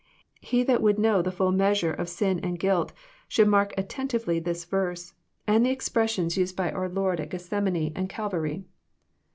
He that would know the full measure of sin and guilt should mark attentively this verse, and the expressions used by our Lord at Gethsemane and Cal vary.